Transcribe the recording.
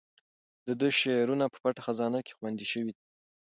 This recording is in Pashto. د ده شعرونه په پټه خزانه کې خوندي شوي دي.